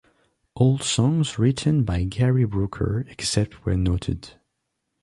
All songs written by Gary Brooker except where noted.